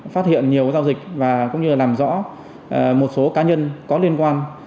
phát hiện nhiều giao dịch và cũng như là làm rõ một số cá nhân có liên quan